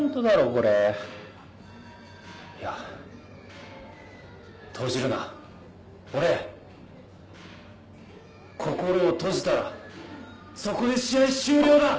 これいや閉じるな俺心を閉じたらそこで試合終了だ！